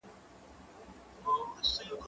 زه به اوږده موده سبا ته فکر کړی وم